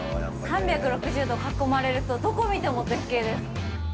３６０度囲まれるとどこ見ても絶景です。